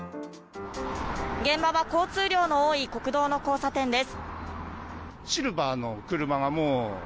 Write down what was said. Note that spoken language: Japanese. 現場は交通量の多い国道の交差点です。